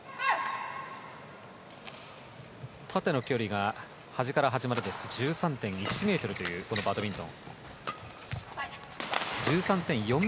縦の距離が端から端までですと１３．４ｍというバドミントン。